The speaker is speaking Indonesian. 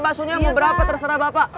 baksonya mau berapa terserah bapak